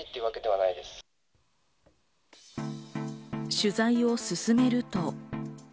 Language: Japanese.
取材を進めると。